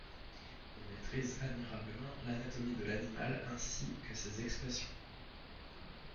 Il maitrise admirablement l'anatomie de l'animal ainsi que ses expressions.